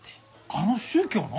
あの宗教の？